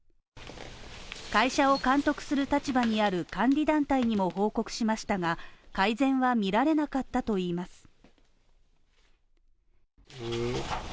会社を監督する立場にある監理団体にも報告しましたが、改善は見られなかったといいます。